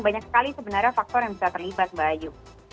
banyak sekali sebenarnya faktor yang bisa terlibat mbak ayu